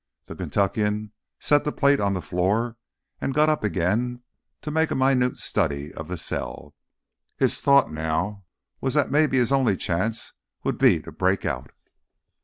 The Kentuckian set the plate on the floor and got up again to make a minute study of the cell. His thought now was that maybe his only chance would be to break out.